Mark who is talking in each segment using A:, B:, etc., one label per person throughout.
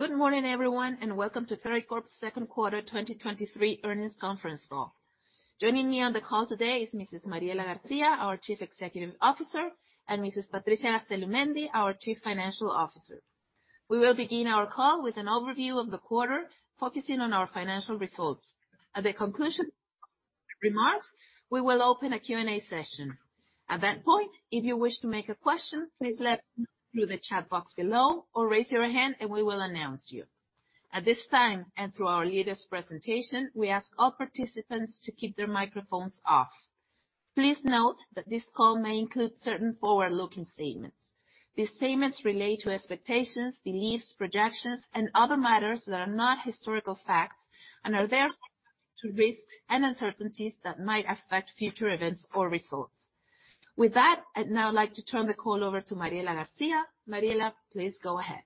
A: Good morning, everyone, and welcome to Ferreycorp's Second Quarter 2023 Earnings Conference Call. Joining me on the call today is Mrs. Mariela García, our Chief Executive Officer, and Mrs. Patricia Gastelumendi, our Chief Financial Officer. We will begin our call with an overview of the quarter, focusing on our financial results. At the conclusion remarks, we will open a Q&A session. At that point, if you wish to make a question, please let us know through the chat box below or raise your hand and we will announce you. At this time, and through our leaders' presentation, we ask all participants to keep their microphones off. Please note that this call may include certain forward-looking statements. These statements relate to expectations, beliefs, projections, and other matters that are not historical facts, and are therefore, to risks and uncertainties that might affect future events or results. With that, I'd now like to turn the call over to Mariela García. Mariela, please go ahead.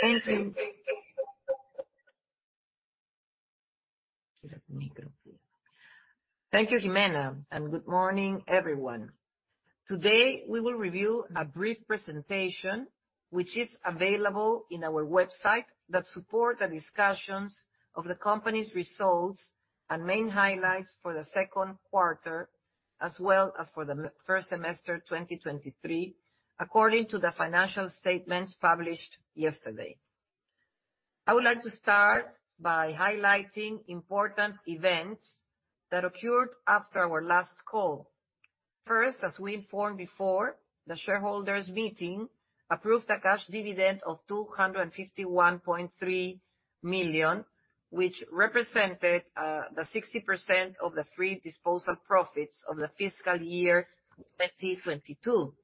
B: Thank you. Thank you, Jimena, and good morning, everyone. Today, we will review a brief presentation, which is available in our website, that support the discussions of the company's results and main highlights for the second quarter, as well as for the first semester 2023, according to the financial statements published yesterday. I would like to start by highlighting important events that occurred after our last call. First, as we informed before, the Shareholders' Meeting approved a cash dividend of PEN 251.3 million, which represented the 60% of the free disposal profits of the FY 2022.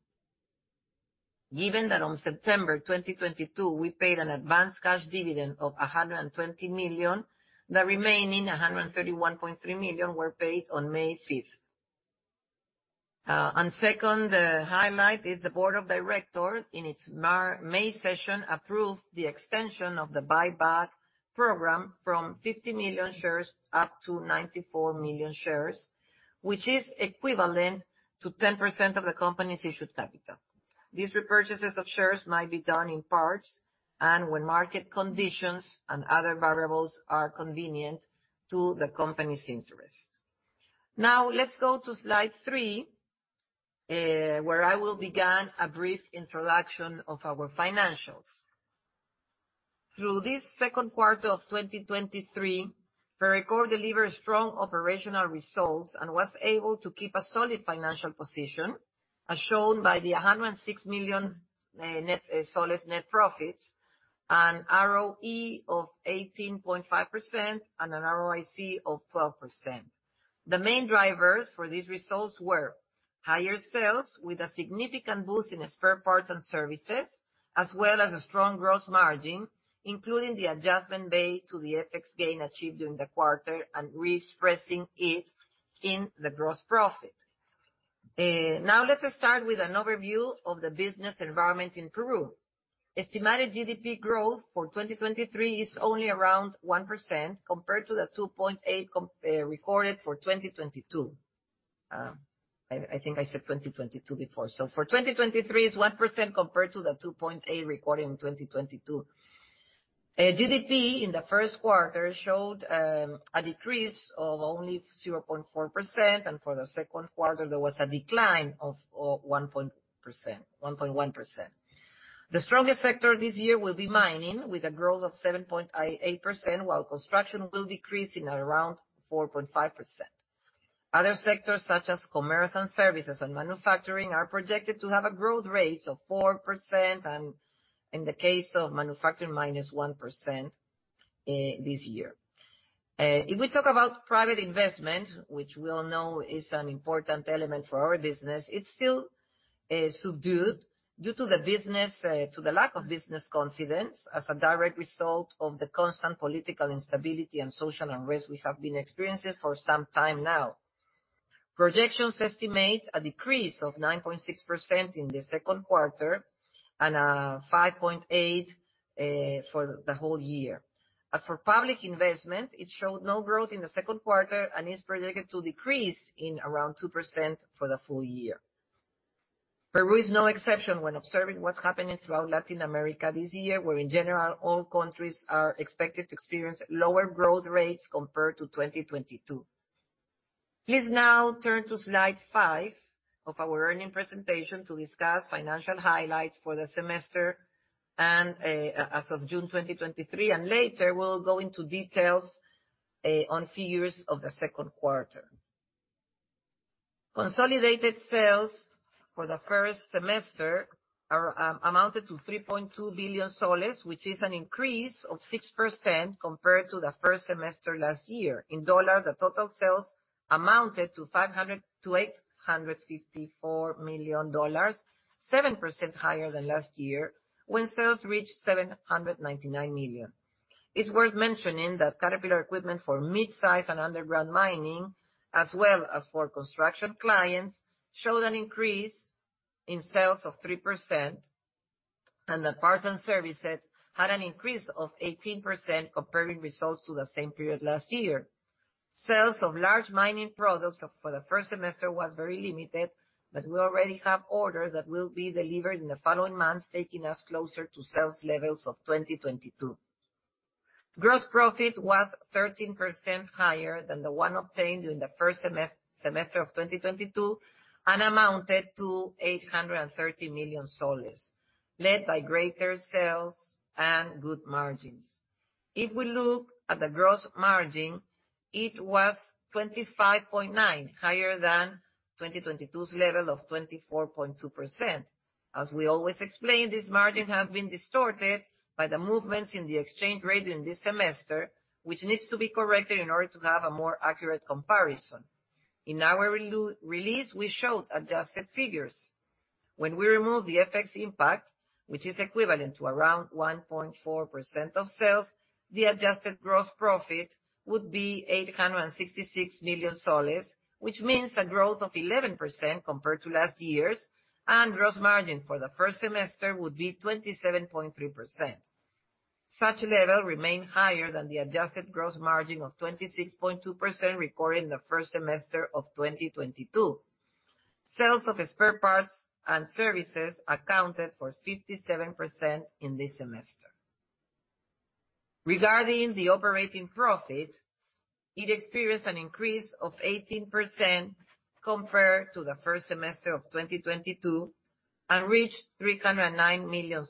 B: Given that on September 2022, we paid an advanced cash dividend of PEN 120 million, the remaining PEN 131.3 million were paid on May 5th. And second, highlight is the Board of Directors, in its March-May session, approved the extension of the buyback program from 50 million shares up to 94 million shares, which is equivalent to 10% of the company's issued capital. These repurchases of shares might be done in parts, and when market conditions and other variables are convenient to the company's interest. Now, let's go to slide 3, where I will begin a brief introduction of our financials. Through this second quarter of 2023, Ferreycorp delivered strong operational results and was able to keep a solid financial position, as shown by the PEN 106 million net profits, an ROE of 18.5% and an ROIC of 12%. The main drivers for these results were: higher sales, with a significant boost in spare parts and services, as well as a strong gross margin, including the adjustment made to the FX gain achieved during the quarter, and reexpressing it in the gross profit. Now let us start with an overview of the business environment in Peru. Estimated GDP growth for 2023 is only around 1%, compared to the 2.8% recorded for 2022. I think I said 2022 before, so for 2023, it's 1% compared to the 2.8% recorded in 2022. GDP in the first quarter showed a decrease of only 0.4%, and for the second quarter there was a decline of 1.1%. The strongest sector this year will be mining, with a growth of 7.8%, while construction will decrease in around 4.5%. Other sectors, such as commerce and services and manufacturing, are projected to have a growth rate of 4%, and in the case of manufacturing, -1% this year. If we talk about private investment, which we all know is an important element for our business, it's still subdued due to the business, to the lack of business confidence, as a direct result of the constant political instability and social unrest we have been experiencing for some time now. Projections estimate a decrease of 9.6% in the second quarter, and 5.8% for the whole year. As for public investment, it showed no growth in the second quarter, and is projected to decrease by around 2% for the full year. Peru is no exception when observing what's happening throughout Latin America this year, where in general, all countries are expected to experience lower growth rates compared to 2022. Please now turn to slide 5 of our earnings presentation to discuss financial highlights for the semester and, as of June 2023, and later we'll go into details on figures of the second quarter. Consolidated sales for the first semester amounted to PEN 3.2 billion, which is an increase of 6% compared to the first semester last year. In dollars, the total sales amounted to $854 million, 7% higher than last year, when sales reached $799 million. It's worth mentioning that Caterpillar equipment for mid-size and underground mining, as well as for construction clients, showed an increase in sales of 3%, and that parts and services had an increase of 18%, comparing results to the same period last year. Sales of large mining products, for the first semester, was very limited, but we already have orders that will be delivered in the following months, taking us closer to sales levels of 2022. Gross profit was 13% higher than the one obtained during the first semester of 2022, and amounted to PEN 830 million, led by greater sales and good margins. If we look at the gross margin, it was 25.9%, higher than 2022's level of 24.2%. As we always explain, this margin has been distorted by the movements in the exchange rate in this semester, which needs to be corrected in order to have a more accurate comparison. In our release, we showed adjusted figures. When we remove the FX impact, which is equivalent to around 1.4% of sales, the Adjusted Gross Profit would be PEN 866 million, which means a growth of 11% compared to last year's, and gross margin for the first semester would be 27.3%. Such level remain higher than the Adjusted Gross Margin of 26.2% recorded in the first semester of 2022. Sales of spare parts and services accounted for 57% in this semester. Regarding the operating profit, it experienced an increase of 18% compared to the first semester of 2022, and reached PEN 309 million.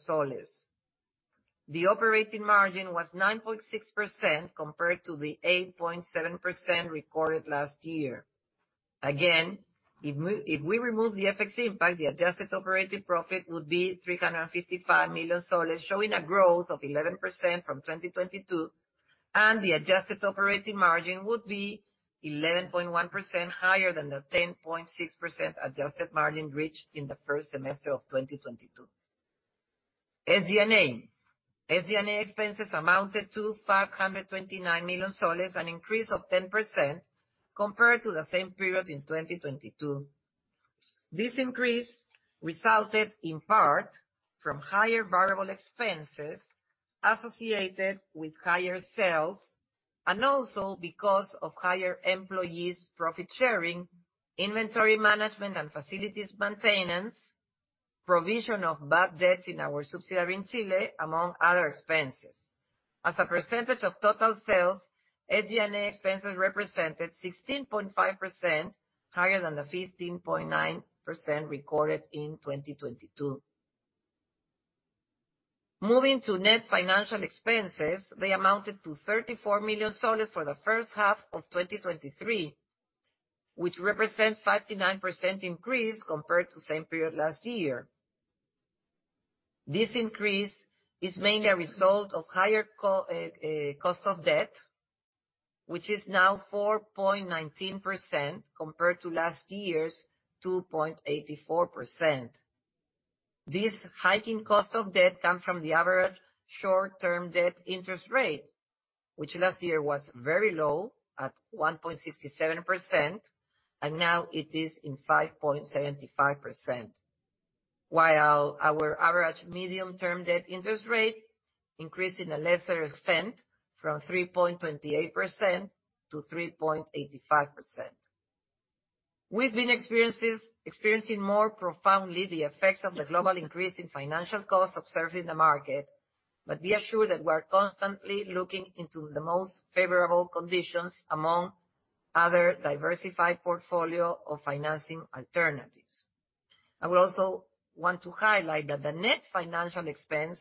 B: The operating margin was 9.6% compared to the 8.7% recorded last year. Again, if we remove the FX impact, the Adjusted Operating Profit would be PEN 355 million, showing a growth of 11% from 2022, and the Adjusted Operating Margin would be 11.1% higher than the 10.6% Adjusted Margin reached in the first semester of 2022. SG&A expenses amounted to PEN 529 million, an increase of 10% compared to the same period in 2022. This increase resulted, in part, from higher variable expenses associated with higher sales, and also because of higher employees' profit sharing, inventory management, and facilities maintenance, provision of bad debts in our subsidiary in Chile, among other expenses. As a percentage of total sales, SG&A expenses represented 16.5%, higher than the 15.9% recorded in 2022. Moving to net financial expenses, they amounted to PEN 34 million for the first half of 2023, which represents 59% increase compared to same period last year. This increase is mainly a result of higher co, cost of debt, which is now 4.19% compared to last year's 2.84%. This higher cost of debt comes from the average short-term debt interest rate, which last year was very low, at 1.67%, and now it is at 5.75%. While our average medium-term debt interest rate increased in a lesser extent, from 3.28%-3.85%. We've been experiencing more profoundly the effects of the global increase in financial costs observed in the market, but be assured that we are constantly looking into the most favorable conditions among other diversified portfolio of financing alternatives. I would also want to highlight that the net financial expense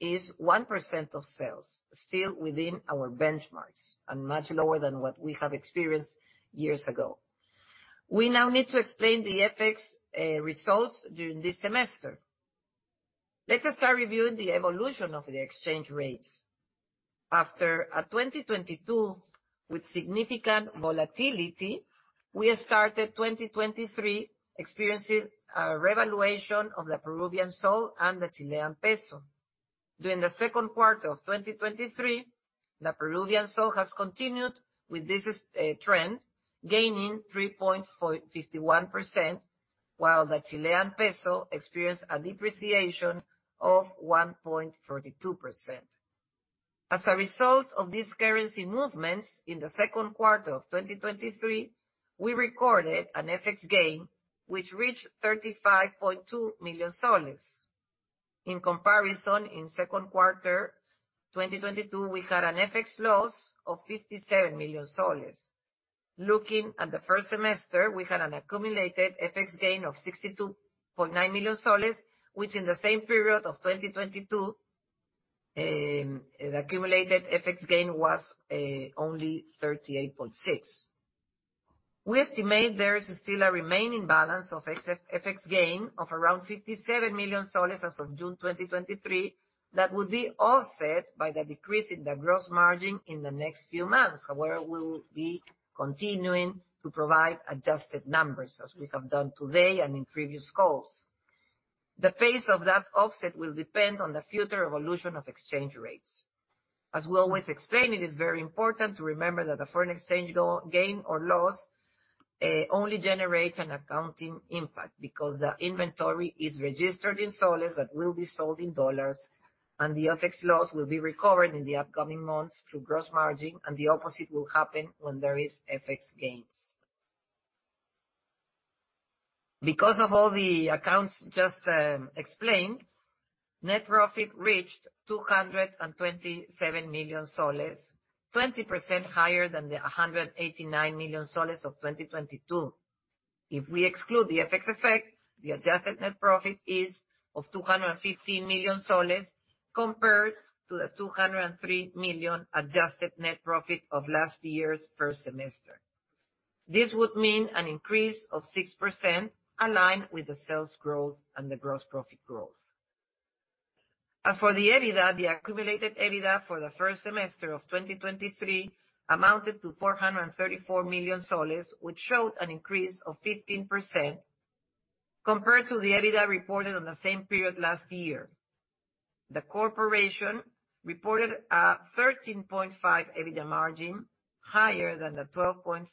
B: is 1% of sales, still within our benchmarks, and much lower than what we have experienced years ago. We now need to explain the FX results during this semester. Let us start reviewing the evolution of the exchange rates. After 2022, with significant volatility, we have started 2023 experiencing a revaluation of the Peruvian sol and the Chilean peso. During the second quarter of 2023, the Peruvian sol has continued with this trend, gaining 3.51%, while the Chilean peso experienced a depreciation of 1.32%. As a result of these currency movements, in the second quarter of 2023, we recorded an FX gain, which reached PEN 35.2 million. In comparison, in second quarter 2022, we had an FX loss of PEN 57 million. Looking at the first semester, we had an accumulated FX gain of PEN 62.9 million, which in the same period of 2022, the accumulated FX gain was only 38.6. We estimate there is still a remaining balance of FX gain of around PEN 57 million as of June 2023, that would be offset by the decrease in the gross margin in the next few months, where we'll be continuing to provide adjusted numbers, as we have done today and in previous calls. The pace of that offset will depend on the future evolution of exchange rates. As we always explain, it is very important to remember that the foreign exchange gain or loss only generates an accounting impact, because the inventory is registered in soles, but will be sold in dollars, and the FX loss will be recovered in the upcoming months through gross margin, and the opposite will happen when there is FX gains. Because of all the accounts just explained, net profit reached PEN 227 million, 20% higher than the PEN 189 million of 2022. If we exclude the FX effect, the adjusted net profit is of PEN 215 million, compared to the 203 million Adjusted Net Profit of last year's first semester. This would mean an increase of 6%, aligned with the sales growth and the gross profit growth. As for the EBITDA, the accumulated EBITDA for the first semester of 2023 amounted to PEN 434 million, which showed an increase of 15% compared to the EBITDA reported on the same period last year. The corporation reported a 13.5% EBITDA margin, higher than the 12.5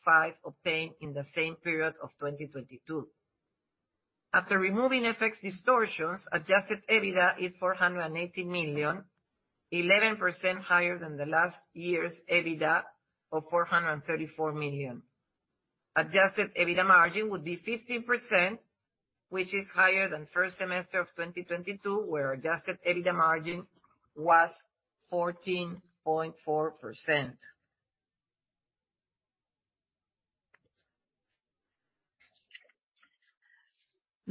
B: obtained in the same period of 2022. After removing FX distortions, Adjusted EBITDA is PEN 480 million, 11% higher than last year's EBITDA of PEN 434 million. Adjusted EBITDA margin would be 15%, which is higher than first semester of 2022, where Adjusted EBITDA margin was 14.4%.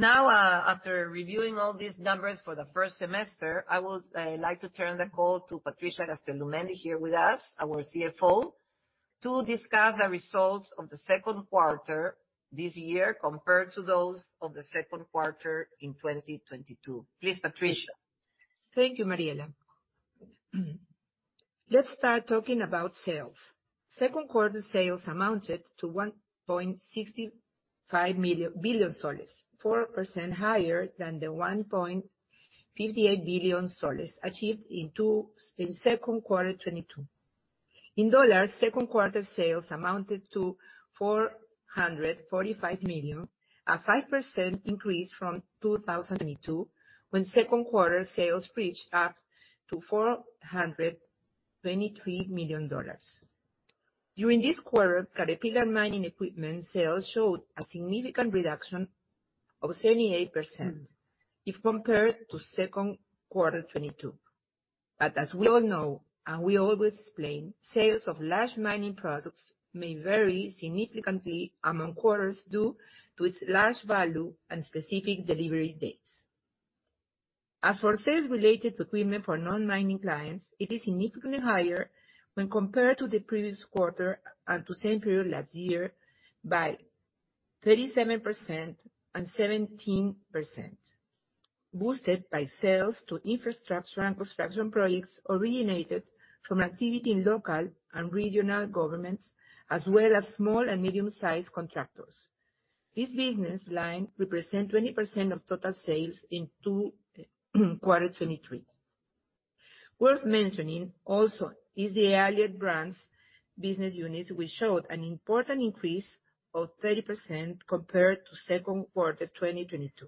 B: Now, after reviewing all these numbers for the first semester, I will like to turn the call to Patricia Gastelumendi, here with us, our CFO, to discuss the results of the second quarter this year compared to those of the second quarter in 2022. Please, Patricia.
C: Thank you, Mariela. Let's start talking about sales. Second quarter sales amounted to PEN 1.65 billion, 4% higher than the PEN 1.58 billion achieved in second quarter 2022. In dollars, second quarter sales amounted to $445 million, a 5% increase from second quarter 2022, when second quarter sales reached up to $423 million. During this quarter, Caterpillar mining equipment sales showed a significant reduction of 78% if compared to second quarter 2022. But as we all know, and we always explain, sales of large mining products may vary significantly among quarters due to its large value and specific delivery dates. As for sales related to equipment for non-mining clients, it is significantly higher when compared to the previous quarter and to same period last year by 37% and 17%, boosted by sales to infrastructure and construction projects originated from activity in local and regional governments, as well as small and medium-sized contractors. This business line represent 20% of total sales in Q2 2023. Worth mentioning also is the Allied Brands business units, which showed an important increase of 30% compared to second quarter 2022.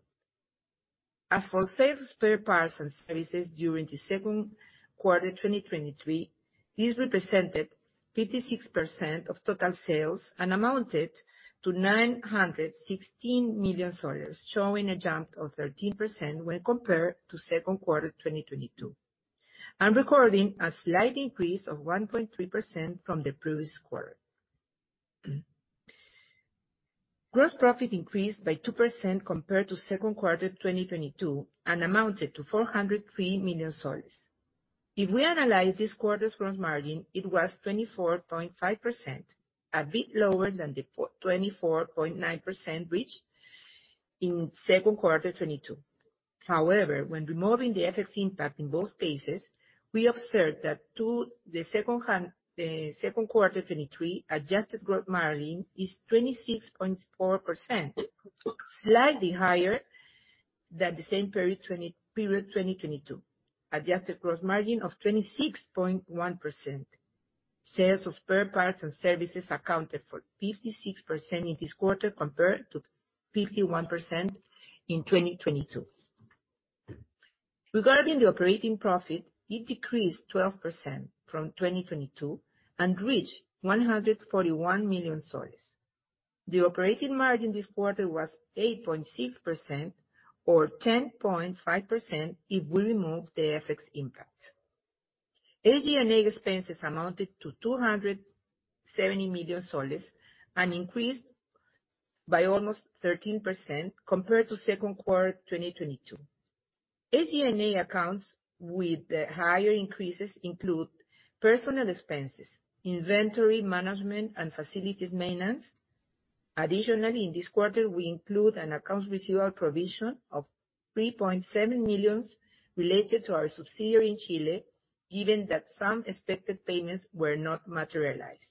C: As for sales spare parts and services during the second quarter 2023, these represented 56% of total sales and amounted to PEN 916 million, showing a jump of 13% when compared to second quarter 2022, and recording a slight increase of 1.3% from the previous quarter. Gross profit increased by 2% compared to second quarter 2022, and amounted to PEN 403 million. If we analyze this quarter's gross margin, it was 24.5%, a bit lower than the 24.9% reached in second quarter 2022. However, when removing the FX impact in both cases, we observed that the second quarter 2023 Adjusted Gross Margin is 26.4%, slightly higher than the same period 2022. Adjusted Gross Margin of 26.1%. Sales of spare parts and services accounted for 56% in this quarter, compared to 51% in 2022. Regarding the operating profit, it decreased 12% from 2022 and reached PEN 141 million. The operating margin this quarter was 8.6%, or 10.5%, if we remove the FX impact. SG&A expenses amounted to PEN 270 million, and increased by almost 13% compared to second quarter 2022. SG&A accounts with the higher increases include personal expenses, inventory management, and facilities maintenance. Additionally, in this quarter, we include an accounts receivable provision of PEN 3.7 million related to our subsidiary in Chile, given that some expected payments were not materialized.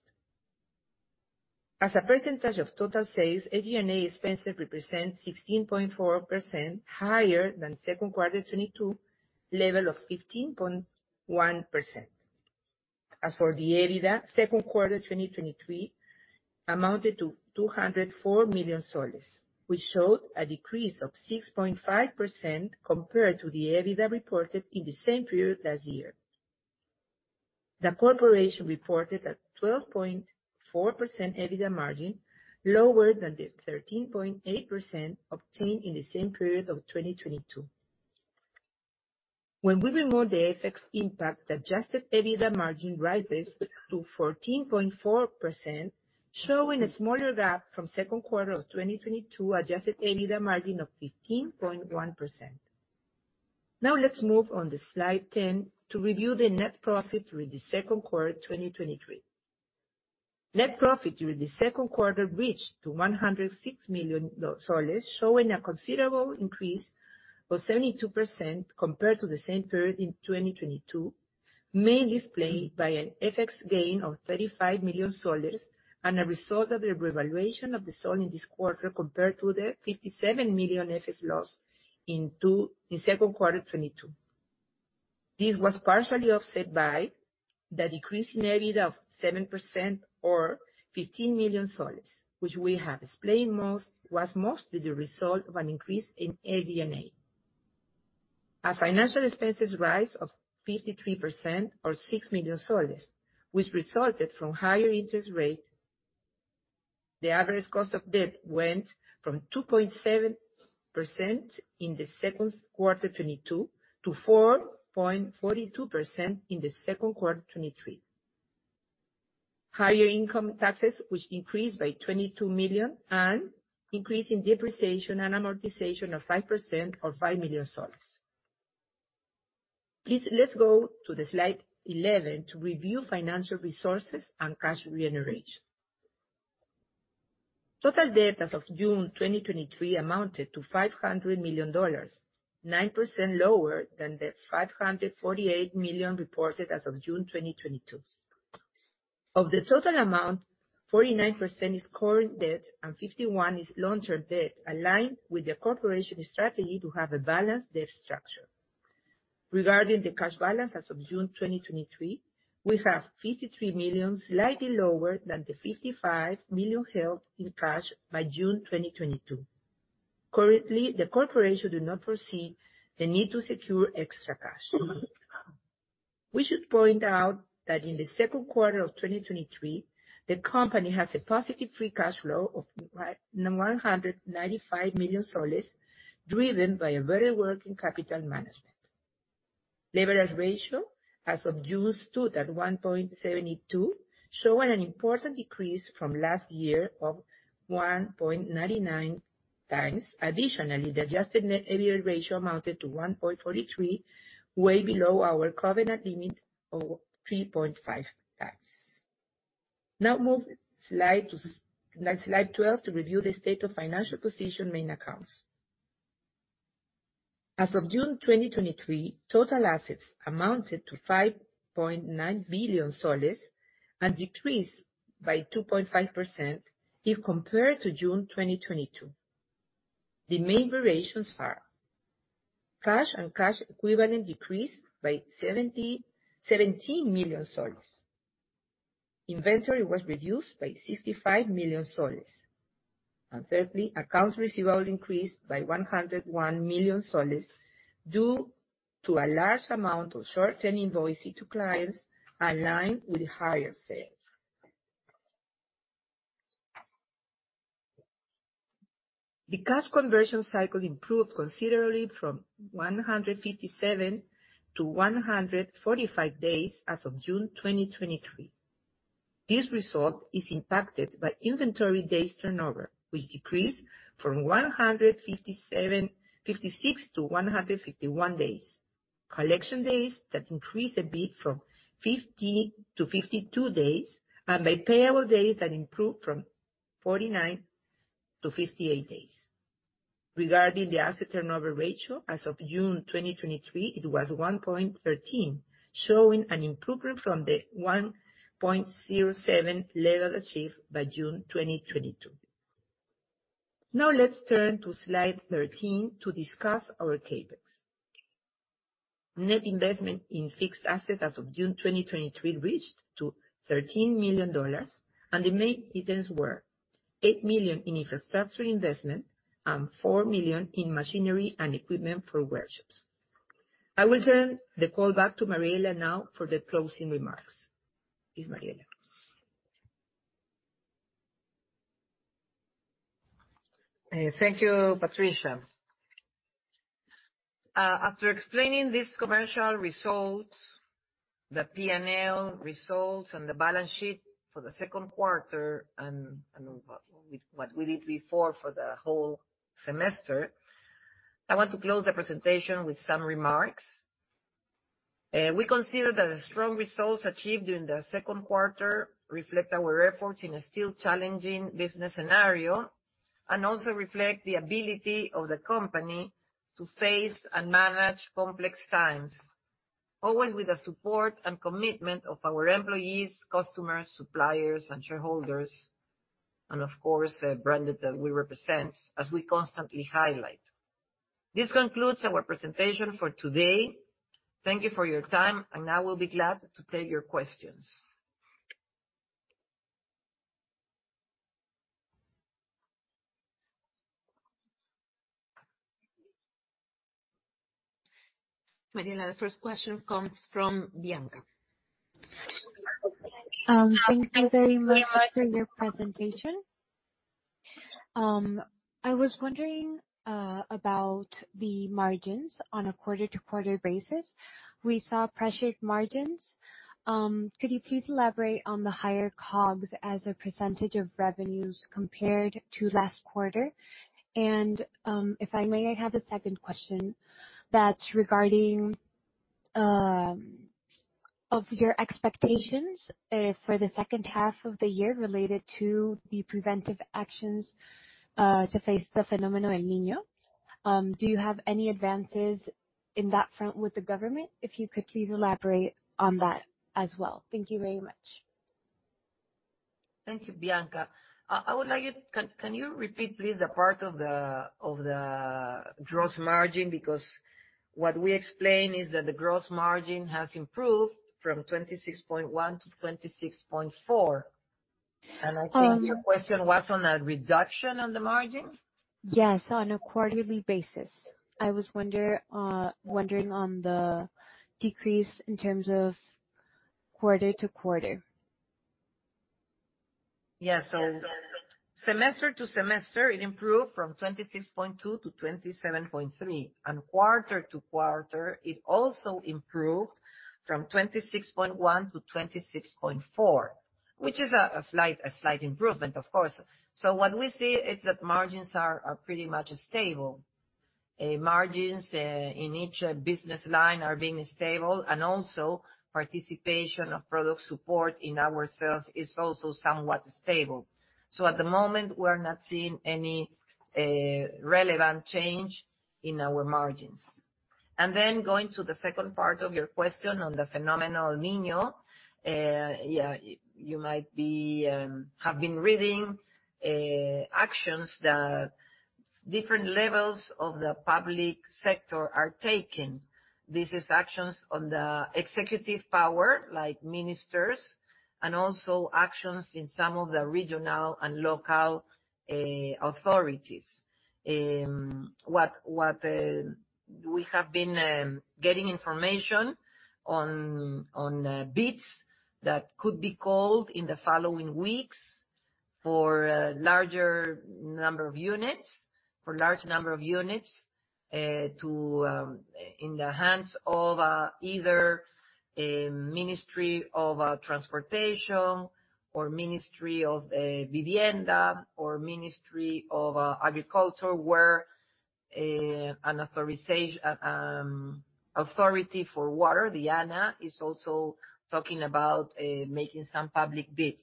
C: As a percentage of total sales, SG&A expenses represent 16.4% higher than second quarter 2022 level of 15.1%.... As for the EBITDA, second quarter 2023 amounted to PEN 204 million, which showed a decrease of 6.5% compared to the EBITDA reported in the same period last year. The corporation reported a 12.4% EBITDA margin, lower than the 13.8% obtained in the same period of 2022. When we remove the FX impact, Adjusted EBITDA margin rises to 14.4%, showing a smaller gap from second quarter of 2022 Adjusted EBITDA margin of 15.1%. Now let's move on to slide 10 to review the net profit during the second quarter 2023. Net profit during the second quarter reached to PEN 106 million, showing a considerable increase of 72% compared to the same period in 2022, mainly explained by an FX gain of PEN 35 million and a result of the revaluation of the sol in this quarter, compared to the PEN 57 million FX loss in second quarter 2022. This was partially offset by the decrease in EBITDA of 7% or PEN 15 million, which we have explained most, was mostly the result of an increase in SG&A. Our financial expenses rise of 53% or PEN 6 million, which resulted from higher interest rate. The average cost of debt went from 2.7% in the second quarter 2022, to 4.42% in the second quarter 2023. Higher income taxes, which increased by PEN 22 million, and increase in depreciation and amortization of 5% or PEN 5 million. Please, let's go to the slide 11 to review financial resources and cash generation. Total debt as of June 2023 amounted to $500 million, 9% lower than the $548 million reported as of June 2022. Of the total amount, 49% is current debt and 51% is long-term debt, aligned with the corporation's strategy to have a balanced debt structure. Regarding the cash balance as of June 2023, we have PEN 53 million, slightly lower than the PEN 55 million held in cash by June 2022. Currently, the corporation do not foresee the need to secure extra cash. We should point out that in the second quarter of 2023, the company has a positive free cash flow of PEN 195 million, driven by a very working capital management. Leverage ratio as of June stood at 1.72, showing an important decrease from last year of 1.99x. Additionally, the Adjusted Net Debt to EBITDA ratio amounted to 1.43, way below our covenant limit of 3.5x. Now move to slide twelve to review the state of financial position main accounts. As of June 2023, total assets amounted to PEN 5.9 billion and decreased by 2.5% if compared to June 2022. The main variations are: cash and cash equivalent decreased by PEN 17 million. Inventory was reduced by PEN 65 million. And thirdly, accounts receivable increased by PEN 101 million, due to a large amount of short-term invoices to clients aligned with higher sales. The cash conversion cycle improved considerably from 157 to 145 days as of June 2023. This result is impacted by inventory days turnover, which decreased from 157 to 156 to 151 days. Collection days, that increased a bit from 50 to 52 days, and by payable days that improved from 49 to 58 days. Regarding the asset turnover ratio, as of June 2023, it was 1.13, showing an improvement from the 1.07 level achieved by June 2022. Now, let's turn to slide 13 to discuss our CapEx. Net investment in fixed assets as of June 2023 reached to $13 million, and the main details were $8 million in infrastructure investment and $4 million in machinery and equipment for workshops. I will turn the call back to Mariela now for the closing remarks. Please, Mariela.
B: Thank you, Patricia. After explaining these commercial results, the P&L results, and the balance sheet for the second quarter, and what we did before for the whole semester, I want to close the presentation with some remarks. We consider that the strong results achieved during the second quarter reflect our efforts in a still challenging business scenario, and also reflect the ability of the company to face and manage complex times, always with the support and commitment of our employees, customers, suppliers, and shareholders, and of course, the brands that we represent, as we constantly highlight. This concludes our presentation for today. Thank you for your time, and now we'll be glad to take your questions. Jimena,
A: the first question comes from Bianca.
D: Thank you very much for your presentation. I was wondering about the margins on a quarter-to-quarter basis. We saw pressured margins. Could you please elaborate on the higher COGS as a percentage of revenues compared to last quarter? And, if I may, I have a second question that's regarding of your expectations for the second half of the year related to the preventive actions to face the phenomenon El Niño. Do you have any advances in that front with the government? If you could please elaborate on that as well. Thank you very much.
B: Thank you, Bianca. I would like it. Can you repeat please the part of the gross margin? Because what we explained is that the gross margin has improved from 26.1%-26.4%.
D: Um-
B: I think your question was on a reduction on the margin.
D: Yes, on a quarterly basis. I was wondering on the decrease in terms of quarter-to-quarter.
B: Yeah. So semester to semester, it improved from 26.2-27.3, and quarter to quarter, it also improved from 26.1-26.4, which is a slight improvement, of course. So what we see is that margins are pretty much stable. Margins in each business line are being stable, and also participation of product support in our sales is also somewhat stable. So at the moment, we're not seeing any relevant change in our margins. And then going to the second part of your question on the phenomenon El Niño. Yeah, you might have been reading actions that different levels of the public sector are taking. This is actions on the executive power, like ministers, and also actions in some of the regional and local authorities. What we have been getting information on bids that could be called in the following weeks for a larger number of units, for large number of units, to in the hands of either a Ministry of Transportation, or Ministry of Vivienda, or Ministry of Agriculture, where an Authority for Water, the ANA, is also talking about making some public bids.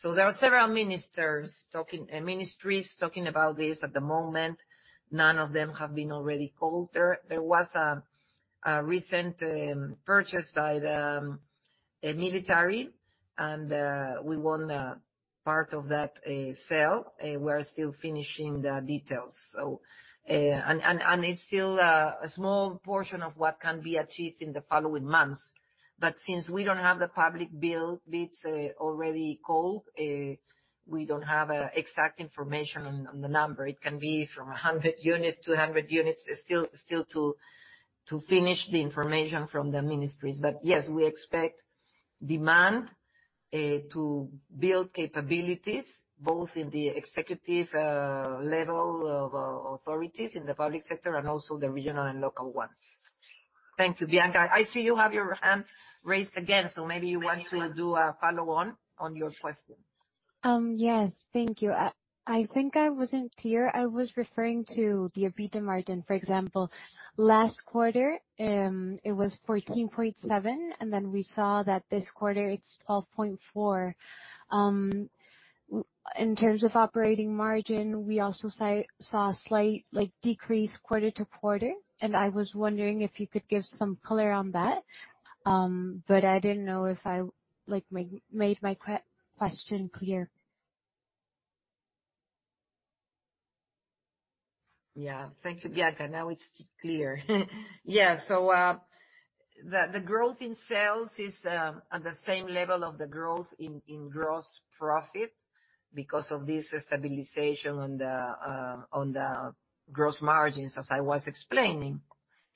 B: So there are several ministers talking... ministries talking about this at the moment. None of them have been already called. There was a recent purchase by the military, and we won a part of that sale, we're still finishing the details. So... And it's still a small portion of what can be achieved in the following months. But since we don't have the public bids already called, we don't have exact information on the number. It can be from 100 units-200 units. It's still to finish the information from the ministries. But yes, we expect demand to build capabilities, both in the executive level of authorities in the public sector and also the regional and local ones. Thank you, Bianca. I see you have your hand raised again, so maybe you want to do a follow-on on your question.
D: Yes. Thank you. I think I wasn't clear. I was referring to the EBITDA margin. For example, last quarter, it was 14.7, and then we saw that this quarter it's 12.4. In terms of operating margin, we also saw a slight, like, decrease quarter-over-quarter, and I was wondering if you could give some color on that. But I didn't know if I, like, made my question clear.
B: Yeah. Thank you, Bianca. Now it's clear. Yeah, so, the growth in sales is at the same level of the growth in gross profit because of this stabilization on the gross margins, as I was explaining.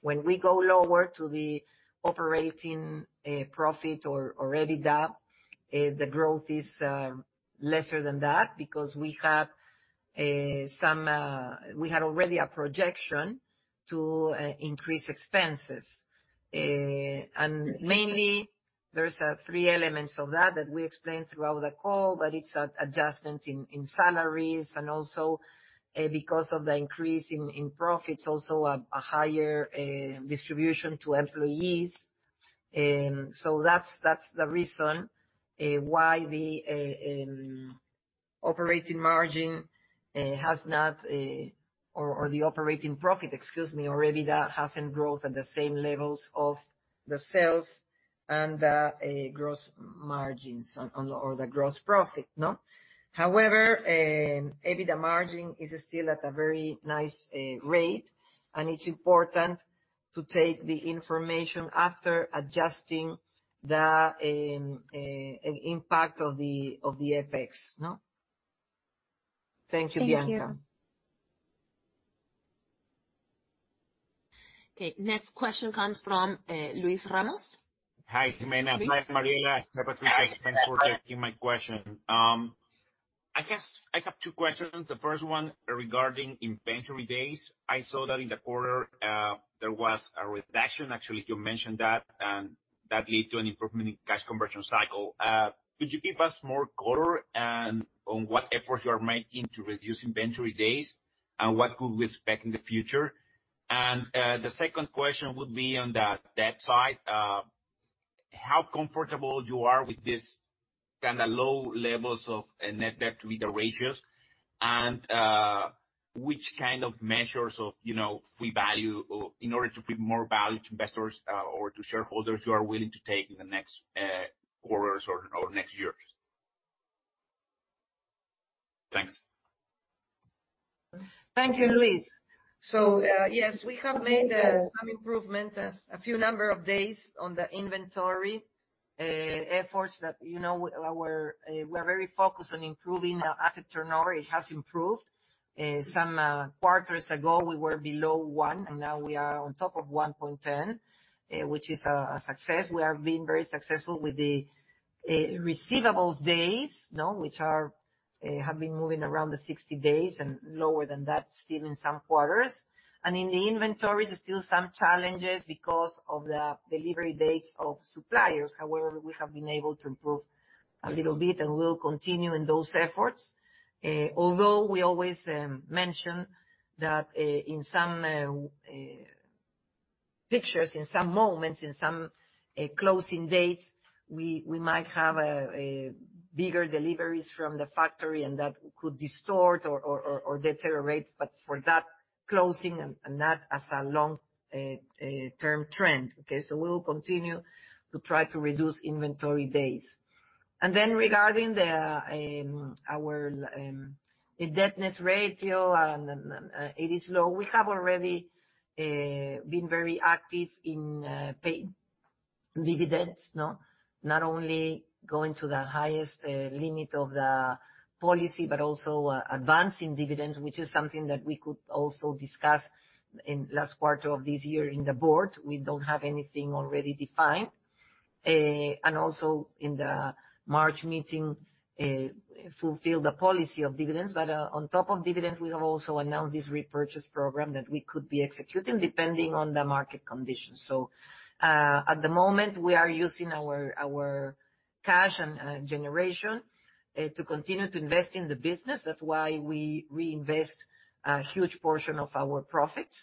B: When we go lower to the operating profit or EBITDA, the growth is lesser than that because we have some... We had already a projection to increase expenses. And mainly, there's three elements of that that we explained throughout the call, but it's an adjustment in salaries and also because of the increase in profits, also a higher distribution to employees. So that's, that's the reason why the operating margin has not or, or the operating profit, excuse me, or EBITDA, hasn't grown at the same levels of the sales.... and a gross margins on or the gross profit, no? However, EBITDA margin is still at a very nice rate, and it's important to take the information after adjusting the impact of the FX, no? Thank you, Bianca.
D: Thank you.
A: Okay, next question comes from Luis Ramos.
E: Hi, Jimena. Hi, Mariela, hi, Patricia. Thanks for taking my question. I guess I have two questions. The first one regarding inventory days. I saw that in the quarter, there was a reduction. Actually, you mentioned that, and that led to an improvement in cash conversion cycle. Could you give us more color on what efforts you are making to reduce inventory days, and what could we expect in the future? And the second question would be on the debt side. How comfortable you are with this kind of low levels of net debt to EBITDA ratios? And which kind of measures of, you know, we value or in order to give more value to investors or to shareholders, you are willing to take in the next quarters or next years? Thanks.
B: Thank you, Luis. So, yes, we have made some improvement, a few number of days on the inventory, efforts that, you know, we are very focused on improving our asset turnover. It has improved. Some quarters ago, we were below one, and now we are on top of 1.10, which is a success. We have been very successful with the receivables days, no? Which have been moving around the 60 days, and lower than that still in some quarters. And in the inventories, there's still some challenges because of the delivery dates of suppliers. However, we have been able to improve a little bit, and we will continue in those efforts. Although we always mention that, in some quarters, in some moments, in some closing dates, we might have bigger deliveries from the factory, and that could distort or deteriorate, but for that closing and not as a long-term trend. Okay? So we will continue to try to reduce inventory days. And then, regarding our leverage ratio, it is low. We have already been very active in paying dividends, no? Not only going to the highest limit of the policy, but also advancing dividends, which is something that we could also discuss in last quarter of this year with the board. We don't have anything already defined. And also, in the March meeting, fulfill the policy of dividends, but on top of dividend, we have also announced this repurchase program that we could be executing, depending on the market conditions. So, at the moment, we are using our cash and generation to continue to invest in the business. That's why we reinvest a huge portion of our profits.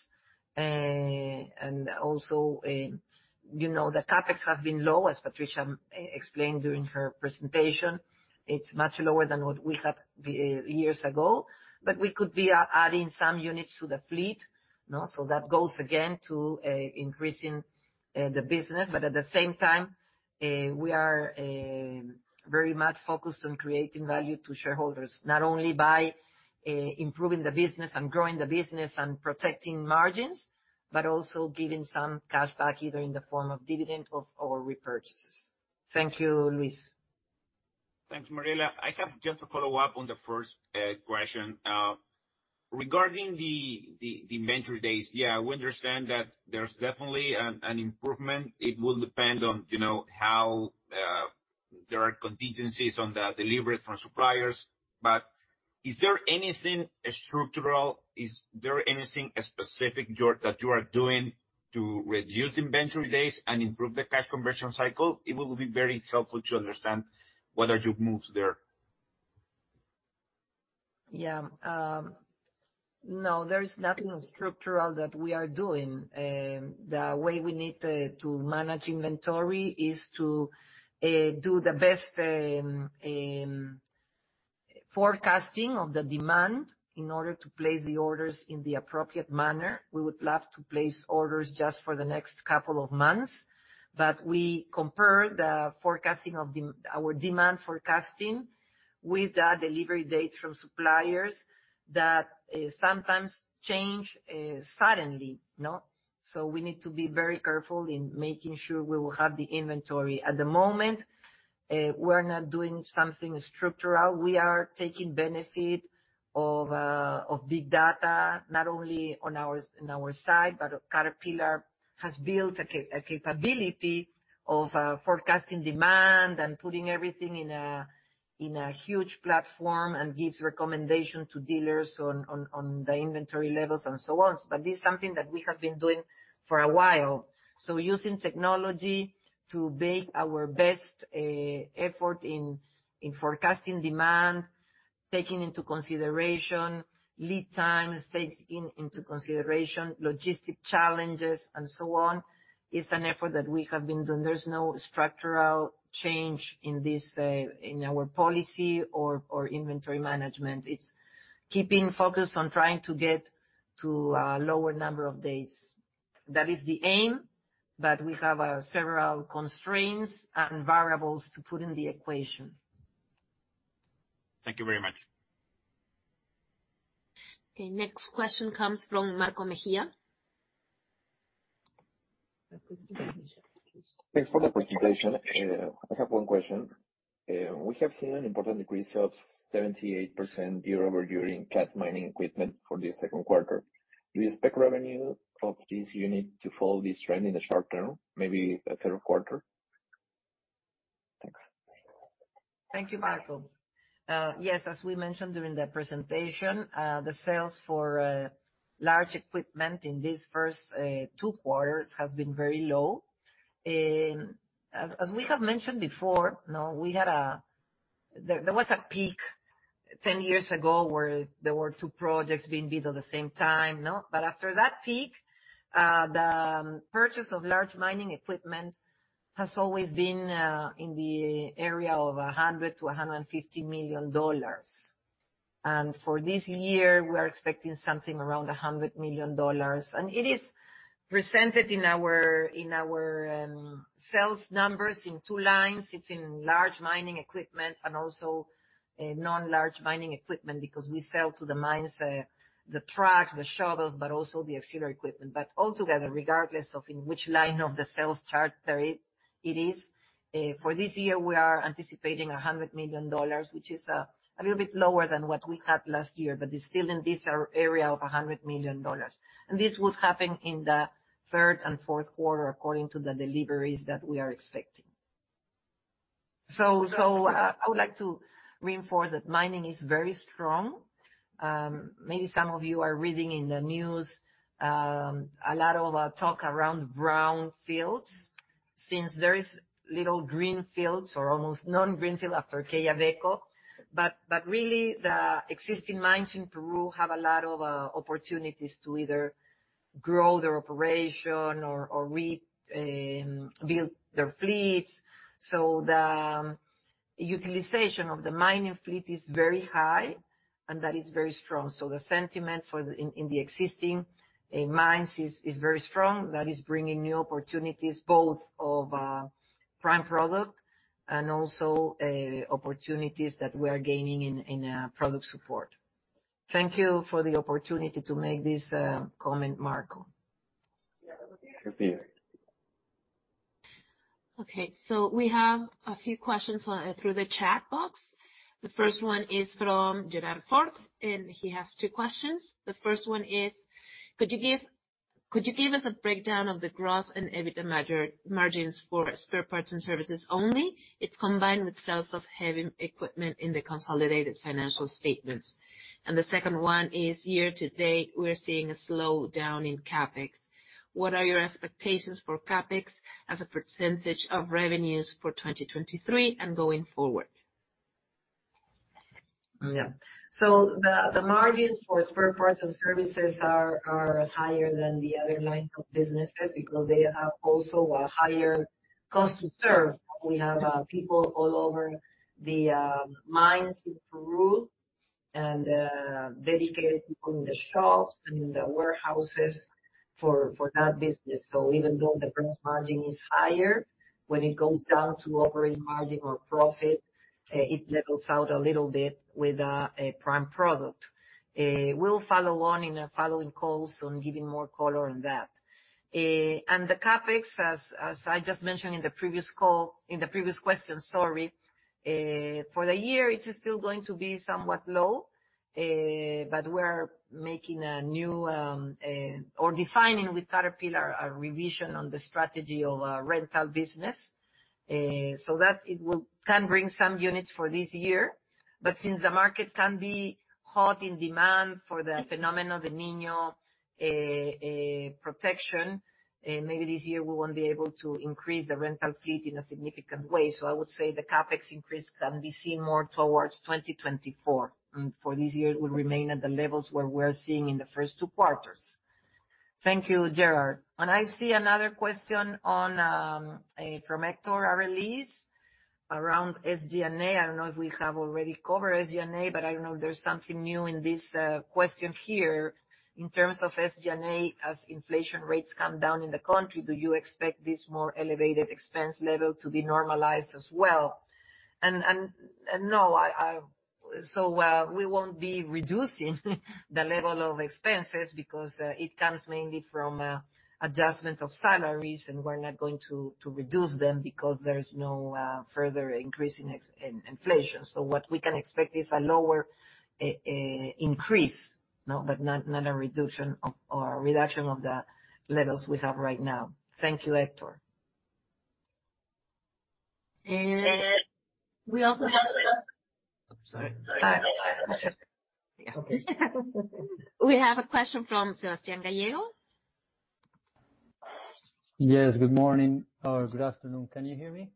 B: And also, you know, the CapEx has been low, as Patricia explained during her presentation. It's much lower than what we had years ago, but we could be adding some units to the fleet, no? So that goes again to increasing the business. But at the same time, we are very much focused on creating value to shareholders, not only by improving the business and growing the business and protecting margins, but also giving some cash back, either in the form of dividend or repurchases. Thank you, Luis.
E: Thanks, Mariela. I have just a follow-up on the first question. Regarding the inventory days, yeah, we understand that there's definitely an improvement. It will depend on, you know, how there are contingencies on the delivery from suppliers. But is there anything structural, is there anything specific you're, that you are doing to reduce inventory days and improve the cash conversion cycle? It will be very helpful to understand what are your moves there.
B: Yeah, no, there is nothing structural that we are doing. The way we need to manage inventory is to do the best forecasting of the demand in order to place the orders in the appropriate manner. We would love to place orders just for the next couple of months, but we compare the forecasting of our demand forecasting with the delivery date from suppliers that sometimes change suddenly, no? So we need to be very careful in making sure we will have the inventory. At the moment, we're not doing something structural. We are taking benefit of big data, not only on our side, but Caterpillar has built a capability of forecasting demand and putting everything in a huge platform, and gives recommendation to dealers on the inventory levels and so on. But this is something that we have been doing for a while. So we're using technology to make our best effort in forecasting demand, taking into consideration lead times, taking into consideration logistic challenges, and so on. It's an effort that we have been doing. There's no structural change in this in our policy or inventory management. It's keeping focused on trying to get to a lower number of days. That is the aim, but we have several constraints and variables to put in the equation.
E: Thank you very much.
A: Okay, next question comes from Marco Mejía.
B: Could you give me just, please?
F: Thanks for the presentation. I have one question. We have seen an important decrease of 78% YoY in Cat mining equipment for the second quarter. Do you expect revenue of this unit to follow this trend in the short term, maybe the third quarter? Thanks.
B: Thank you, Marco. Yes, as we mentioned during the presentation, the sales for large equipment in these first two quarters has been very low. As we have mentioned before, there was a peak 10 years ago, where there were two projects being bid at the same time, no? But after that peak, the purchase of large mining equipment has always been in the area of $100-$150 million. And for this year, we are expecting something around $100 million. And it is presented in our sales numbers in two lines. It's in large mining equipment and also non-large mining equipment, because we sell to the mines the trucks, the shovels, but also the auxiliary equipment. But altogether, regardless of in which line of the sales chart there it is, for this year, we are anticipating $100 million, which is a little bit lower than what we had last year, but it's still in this area of $100 million. This would happen in the third and fourth quarter, according to the deliveries that we are expecting. So, I would like to reinforce that mining is very strong. Maybe some of you are reading in the news a lot of talk around brownfields, since there is little greenfields or almost non-greenfield after Quellaveco. But really, the existing mines in Peru have a lot of opportunities to either grow their operation or rebuild their fleets. So the utilization of the mining fleet is very high, and that is very strong. The sentiment in the existing mines is very strong. That is bringing new opportunities, both of prime product and also opportunities that we are gaining in product support. Thank you for the opportunity to make this comment, Marco.
F: Thank you.
A: Okay, so we have a few questions on through the chat box. The first one is from Gerardo Fort, and he has two questions. The first one is: Could you give, could you give us a breakdown of the gross and EBITDA margins for spare parts and services only? It's combined with sales of heavy equipment in the consolidated financial statements. And the second one is: Year to date, we're seeing a slowdown in CapEx. What are your expectations for CapEx as a percentage of revenues for 2023 and going forward?
B: Yeah. So the margins for spare parts and services are higher than the other lines of businesses, because they have also a higher cost to serve. We have people all over the mines in Peru and dedicated people in the shops and in the warehouses for that business. So even though the gross margin is higher, when it goes down to operating margin or profit, it levels out a little bit with a prime product. We'll follow on in the following calls on giving more color on that. And the CapEx, as I just mentioned in the previous call, in the previous question, sorry. For the year, it is still going to be somewhat low, but we're making a new, or defining with Caterpillar, a revision on the strategy of our rental business, so that it can bring some units for this year. But since the market can be hot in demand for the phenomenon of El Niño protection, maybe this year we won't be able to increase the rental fleet in a significant way. So I would say the CapEx increase can be seen more towards 2024, and for this year, it will remain at the levels where we're seeing in the first two quarters. Thank you, Gerardo. And I see another question from Hector Arelis around SG&A. I don't know if we have already covered SG&A, but I don't know if there's something new in this question here. In terms of SG&A, as inflation rates come down in the country, do you expect this more elevated expense level to be normalized as well? So, we won't be reducing the level of expenses because it comes mainly from adjustments of salaries, and we're not going to reduce them because there's no further increase in inflation. So what we can expect is a lower increase, no, but not a reduction of the levels we have right now. Thank you, Hector.
A: And we also have. Sorry. We have a question from Sebastián Gallego.
G: Yes, good morning or good afternoon. Can you hear me?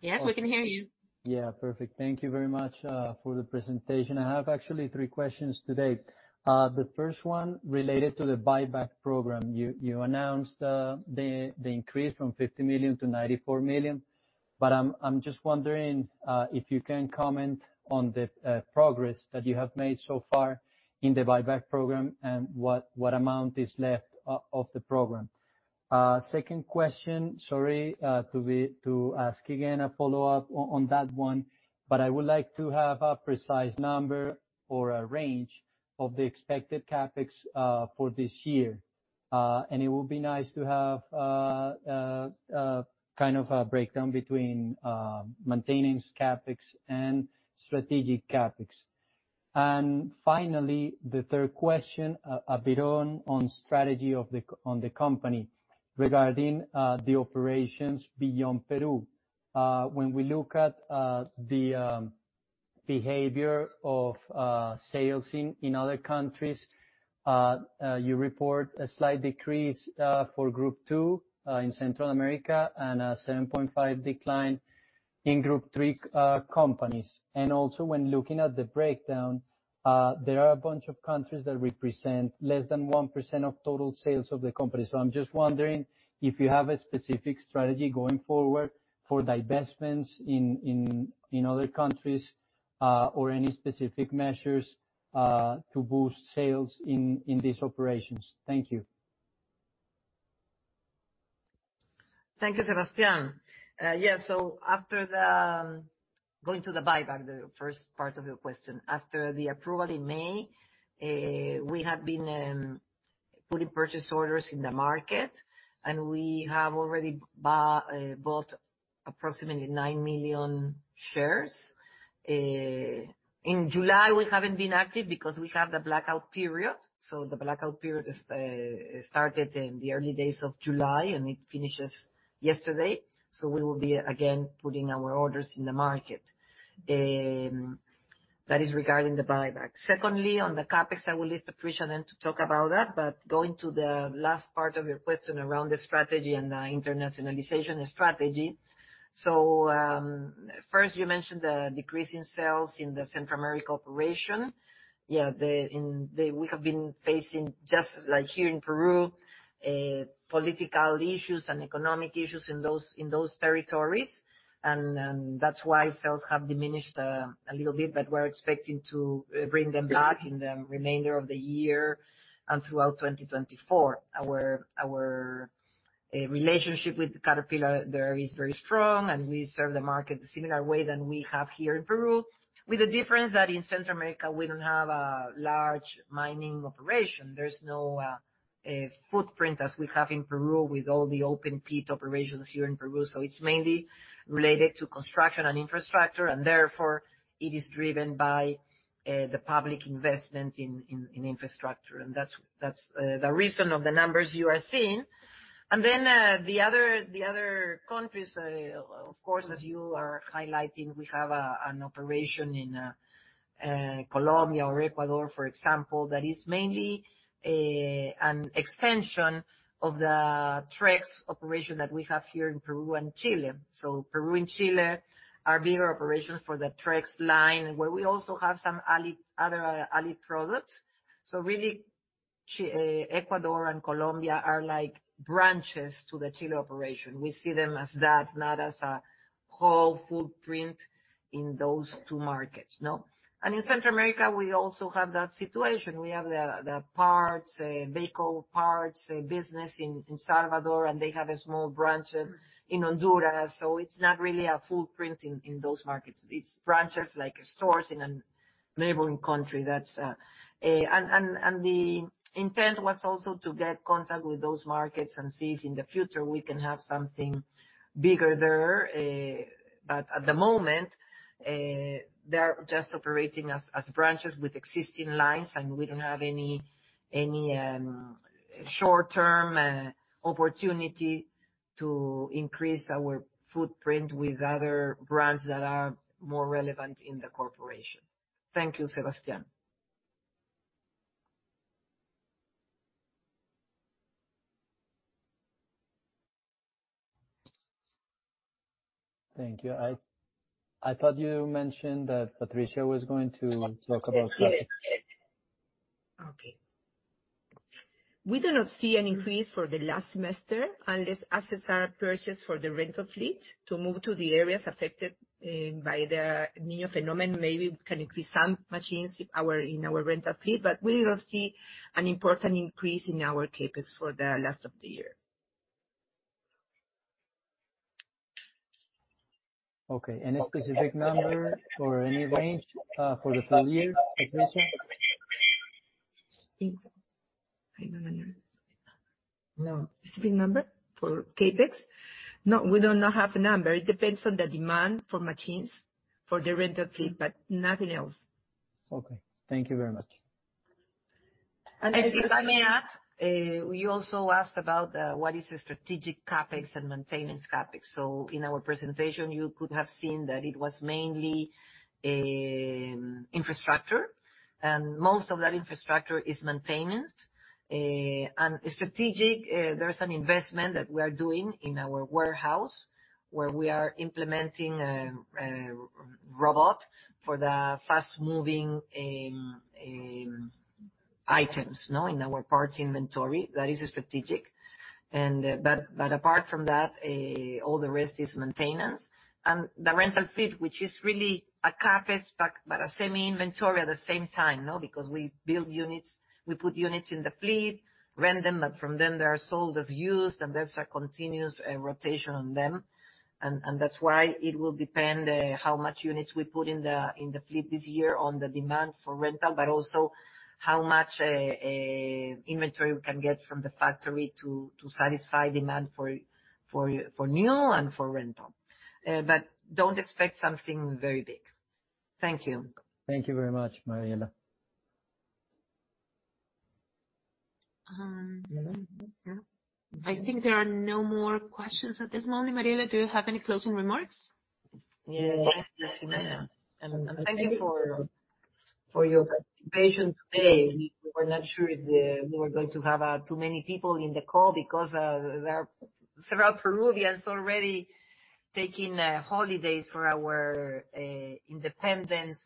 A: Yes, we can hear you.
G: Yeah, perfect. Thank you very much for the presentation. I have actually three questions today. The first one, related to the buyback program. You announced the increase from PEN 50 million to PEN 94 million. But I'm just wondering if you can comment on the progress that you have made so far in the buyback program, and what amount is left of the program? Second question, sorry to ask again, a follow-up on that one, but I would like to have a precise number or a range of the expected CapEx for this year. And it would be nice to have kind of a breakdown between maintenance CapEx and strategic CapEx. Finally, the third question, a bit on strategy of the company, regarding the operations beyond Peru. When we look at the behavior of sales in other countries, you report a slight decrease for Group Two in Central America, and a 7.5 decline in Group Three companies. And also, when looking at the breakdown, there are a bunch of countries that represent less than 1% of total sales of the company. So I'm just wondering if you have a specific strategy going forward for divestments in other countries, or any specific measures to boost sales in these operations. Thank you.
B: Thank you, Sebastián. Yeah, so after the... Going to the buyback, the first part of your question, after the approval in May, we have been putting purchase orders in the market, and we have already bought approximately 9 million shares. In July, we haven't been active because we have the blackout period. So the blackout period is started in the early days of July, and it finishes yesterday. So we will be again putting our orders in the market. That is regarding the buyback. Secondly, on the CapEx, I will leave Patricia then to talk about that. But going to the last part of your question around the strategy and internationalization strategy. So, first, you mentioned the decrease in sales in the Central America operation. Yeah, we have been facing, just like here in Peru, political issues and economic issues in those territories, and that's why sales have diminished a little bit. But we're expecting to bring them back in the remainder of the year and throughout 2024. Our relationship with Caterpillar there is very strong, and we serve the market similar way than we have here in Peru, with the difference that in Central America, we don't have a large mining operation. There's no footprint as we have in Peru with all the open pit operations here in Peru. So it's mainly related to construction and infrastructure, and therefore, it is driven by the public investment in infrastructure, and that's the reason of the numbers you are seeing. And then, the other countries, of course, as you are highlighting, we have an operation in Colombia or Ecuador, for example, that is mainly an extension of the Trex operation that we have here in Peru and Chile. So Peru and Chile are bigger operations for the Trex line, where we also have some Allied, other Allied products. So really, Ecuador and Colombia are like branches to the Chile operation. We see them as that, not as a whole footprint in those two markets, no? And in Central America, we also have that situation. We have the vehicle parts business in Salvador, and they have a small branch in Honduras, so it's not really a footprint in those markets. It's branches, like stores in a neighboring country, that's... The intent was also to get contact with those markets and see if in the future we can have something bigger there, but at the moment, they're just operating as branches with existing lines, and we don't have any short-term opportunity to increase our footprint with other brands that are more relevant in the corporation. Thank you, Sebastián.
G: Thank you. I thought you mentioned that Patricia was going to talk about that.
C: Yes, yes. Okay. We do not see an increase for the last semester, unless assets are purchased for the rental fleet to move to the areas affected by the El Niño phenomenon. Maybe we can increase some machines in our rental fleet, but we will see an important increase in our CapEx for the last of the year.
G: Okay. Any specific number or any range for the full year, Patricia?
C: I don't understand. No specific number for CapEx? No, we do not have a number. It depends on the demand for machines, for the rental fleet, but nothing else.
G: Okay, thank you very much.
B: If I may add, you also asked about what is the strategic CapEx and maintenance CapEx. So in our presentation, you could have seen that it was mainly infrastructure, and most of that infrastructure is maintenance. And strategic, there's an investment that we are doing in our warehouse, where we are implementing a robot for the fast-moving items, you know, in our parts inventory, that is strategic. And but apart from that, all the rest is maintenance. And the rental fleet, which is really a CapEx, but a semi-inventory at the same time, you know, because we build units, we put units in the fleet, rent them, and from then they are sold as used, and there's a continuous rotation on them. And that's why it will depend how much units we put in the fleet this year on the demand for rental, but also how much inventory we can get from the factory to satisfy demand for new and for rental. But don't expect something very big. Thank you.
G: Thank you very much, Mariela.
A: Yeah. I think there are no more questions at this moment. Mariela, do you have any closing remarks?
B: Yeah, yeah. And thank you for your participation today. We were not sure if we were going to have too many people in the call, because there are several Peruvians already taking holidays for our independence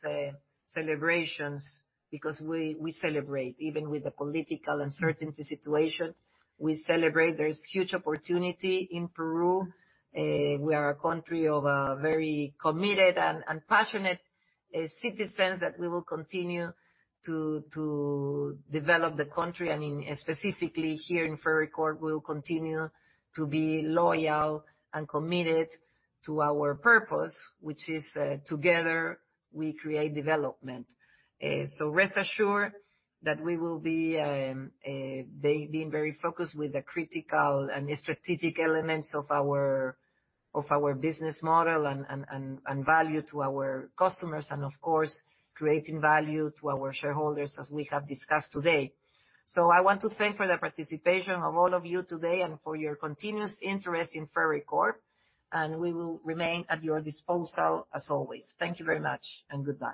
B: celebrations, because we celebrate, even with the political uncertainty situation, we celebrate. There is huge opportunity in Peru. We are a country of very committed and passionate citizens, that we will continue to develop the country. I mean, specifically here in Ferreycorp, we will continue to be loyal and committed to our purpose, which is: Together, we create development. So rest assured that we will be being very focused with the critical and strategic elements of our business model and value to our customers, and of course, creating value to our shareholders, as we have discussed today. So I want to thank for the participation of all of you today, and for your continuous interest in Ferreycorp, and we will remain at your disposal as always. Thank you very much, and goodbye.